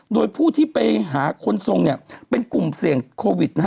โดยผู้ที่ไปหาคนทรงเป็นกลุ่มเสี่ยงโควิด